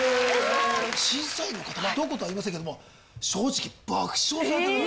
審査員の方どことは言いませんけども正直爆笑されて。